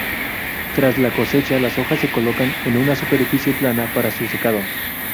Tras la cosecha, las hojas se colocan en una superficie plana para su secado.